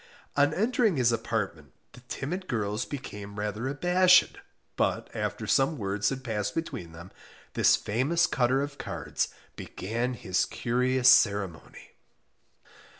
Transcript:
On entering his apartment, the timid girls became rather abashed, but after some words had passed between them, this famous cutter of cards began his curious ceremony.